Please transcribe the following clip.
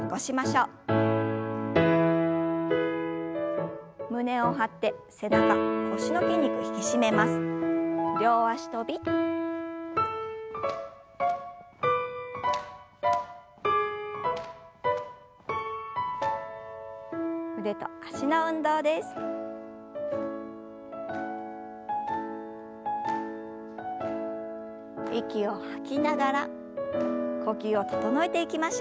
息を吐きながら呼吸を整えていきましょう。